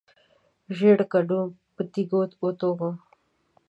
ژیړ کډو په تیږي وتوږه.